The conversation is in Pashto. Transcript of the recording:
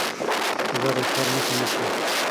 سزا د شر مخه نیسي